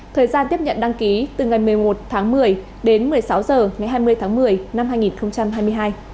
thời gian tiếp nhận đăng ký từ ngày một mươi một tháng một mươi đến một mươi sáu h ngày hai mươi tháng một mươi năm hai nghìn hai mươi hai